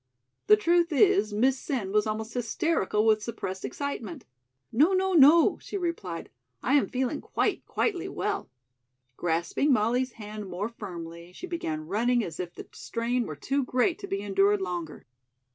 The truth is, Miss Sen was almost hysterical with suppressed excitement. "No, no, no," she replied. "I am feeling quite, quitely well." Grasping Molly's hand more firmly, she began running as if the strain were too great to be endured longer.